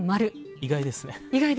意外ですね。